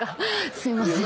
すいません。